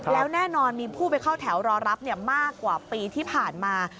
แล้วแน่นอนมีผู้ไปเข้าแถวรอรับมากกว่าปีที่ผ่านมา